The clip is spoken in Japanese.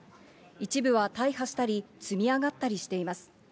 一部は大破したり、積み上がったりしています。